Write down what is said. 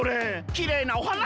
きれいなおはな。